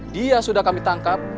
dia sudah kami tangkap